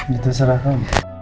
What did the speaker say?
kita serah kam